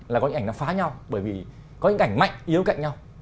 là có những ảnh nó phá nhau bởi vì có những ảnh mạnh yếu cạnh nhau